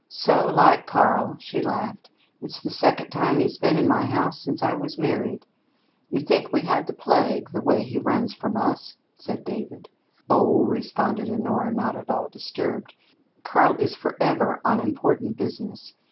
"So like Karl!" she laughed. "It's the second time he's been in my house since I was married." "You'd think we had the plague, the way he runs from us," said David. "Oh," responded Honora, not at all disturbed, "Karl is forever on important business.